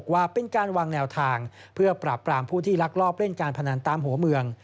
ว่าเป็นการวางแนวทางเพื่อปราบปรามผู้ที่ลักลอบเล่นการพนันตามหัวเมือง